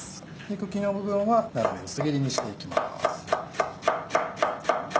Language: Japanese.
茎の部分は斜めぶつ切りにしていきます。